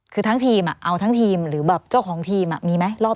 คือทั้งทีมเอาทั้งทีมหรือแบบเจ้าของทีมมีไหม